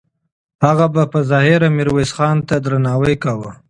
هغه به په ظاهره میرویس خان ته درناوی کاوه.